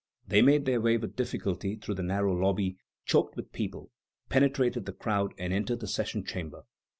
They made their way with difficulty through the narrow lobby, choked with people, penetrated the crowd, and entered the session chamber.